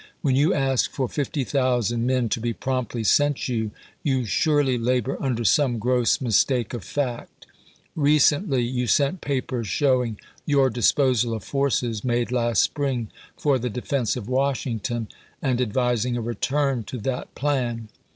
When you ask for 50,000 men to be promptly sent you, you surely labor under some gross mistake of fact. Recently you sent papers 446 ABRAHAM LINCOLN On. XXIV. showina: your disposal of forces made last spring for the defense of Washington, and advising a return to that plan.